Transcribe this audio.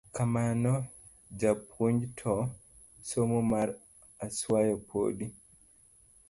Kamano japuponj, to somo mar oswayo podi….